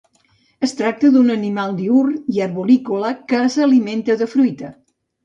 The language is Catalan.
Es tracta d'un animal diürn i arborícola que s'alimenta de fruita.